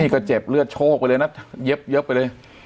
ก็เจ็บเลือดโชคไปเลยนะเย็บไปเลย